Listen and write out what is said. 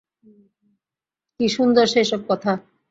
কী সুন্দর সেই সব কথা!